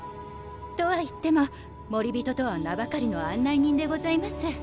とはいっても守り人とは名ばかりの案内人でございます。